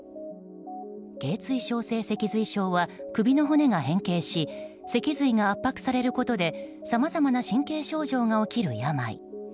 頚椎症性脊髄症は首の骨が変形し脊髄が圧迫されることでさまざまな神経症状が起きる病。